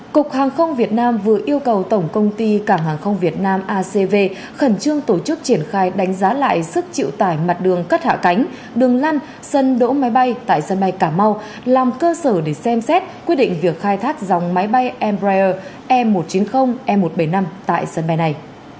cục hàng không việt nam vừa yêu cầu tổng công ty cảng hàng không việt nam acv khẩn trương tổ chức triển khai đánh giá lại sức chịu tải mặt đường cất hạ cánh đường lăn sân đỗ máy bay tại sân bay cà mau làm cơ sở để xem xét quyết định việc khai thác dòng máy bay embrayer e một trăm chín mươi e một trăm bảy mươi năm tại sân bay này